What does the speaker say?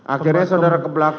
akhirnya saudara ke belakang